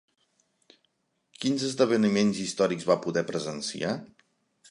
Quins esdeveniments històrics va poder presenciar?